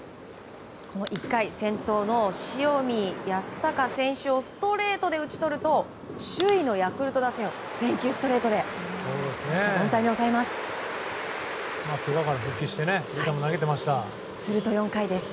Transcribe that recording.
１回、先頭の塩見泰隆選手をストレートで打ち取ると首位のヤクルト打線全球ストレートで三者凡退に抑えます。